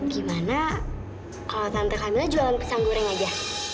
gimana kalau tante hamil jualan pisang goreng aja